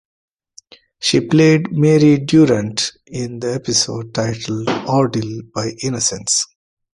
She played Mary Durrant in the episode titled "Ordeal by Innocence".